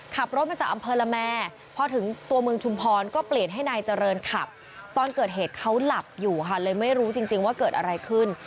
ขับรถมาจากอำเภอละแม่พอถึงตัวเมืองชุมพรก็เปลี่ยนให้นายเจริญขับตอนเกิดเหตุเขาหลับอยู่ค่ะเลยไม่รู้จริงว่าเกิดอะไรขึ้น